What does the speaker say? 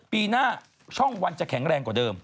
ปีหน้าช่องวันจะแข็งแรงกว่าเดิม